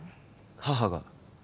母が？